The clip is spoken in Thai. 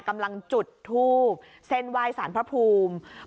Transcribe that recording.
กำลังจุดทูบเส้นไหว้สารพระภูมิ